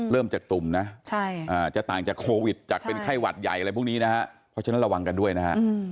เริ่มจากตุ่มนะจะต่างจากโควิดจากเป็นไข้หวัดใหญ่อะไรพวกนี้นะฮะเพราะฉะนั้นระวังกันด้วยนะฮะ